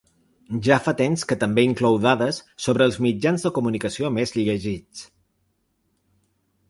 Ja fa temps que també inclou dades sobre els mitjans de comunicació més llegits.